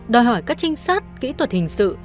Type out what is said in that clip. đòi hỏi các trinh sát kỹ thuật hình sự